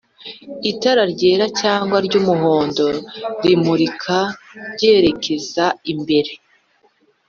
itara ryera cyangwa ry'umuhondo rimurika ryerekeza imbere